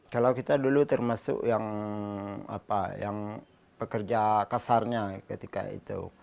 kalau kita dulu termasuk yang pekerja kasarnya ketika itu